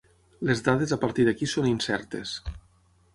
Les dades a partir d'aquí són incertes.